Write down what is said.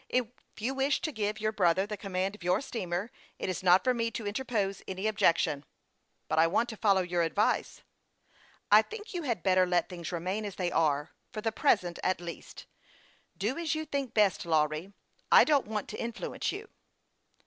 " If you wish to give your brother the command of your steamer, it is not for me to interpose any objection." " But I want to follow your advice." "I think you had better let things remain as they are, for the present, at least. Do as you think best, Lawry. I don't want to influence you."